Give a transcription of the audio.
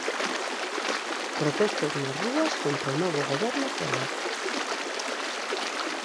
Protestos nas rúas contra o novo goberno Temer.